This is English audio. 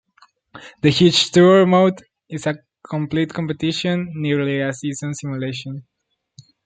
The Huge Tour mode is a complete competition, nearly a season simulation.